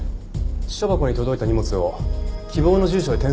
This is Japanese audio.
私書箱に届いた荷物を希望の住所へ転送する会社でした。